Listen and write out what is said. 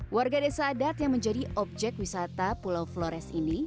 warga desa adat yang menjadi objek wisata pulau flores ini